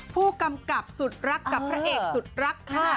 ผู้กำกับสุดรักกับพระเอกสุดรักค่ะ